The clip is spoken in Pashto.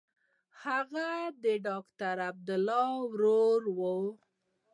هغه د ډاکټر عبدالله ورور و.